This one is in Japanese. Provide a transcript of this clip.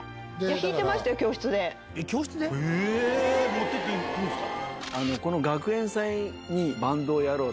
持ってっていいんですか。